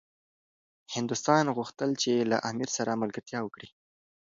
هندوستان غوښتل چي له امیر سره ملګرتیا وکړي.